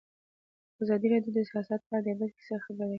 ازادي راډیو د سیاست په اړه د عبرت کیسې خبر کړي.